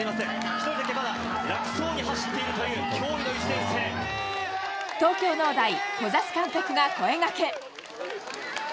１人だけまだ楽そうに走っている東京農大、小指監督が声がけ。